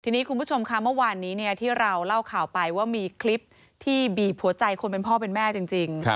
ทีนี้คุณผู้ชมค่ะเมื่อวานนี้ที่เราเล่าข่าวไปว่ามีคลิปที่บีบหัวใจคนเป็นพ่อเป็นแม่จริง